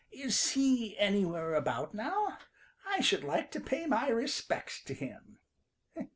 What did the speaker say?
Is he anywhere about now? I should like to pay my respects to him."